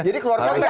jadi keluar konteks